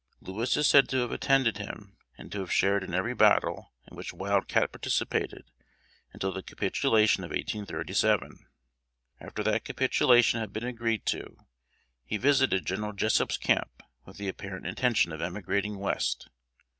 Lewis is said to have attended him, and to have shared in every battle in which Wild Cat participated, until the capitulation of 1837. After that capitulation had been agreed to, he visited General Jessup's camp with the apparent intention of emigrating West.